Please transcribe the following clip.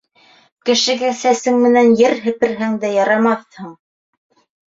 Кешегә сәсең менән ер һеперһәң дә ярамаҫһың.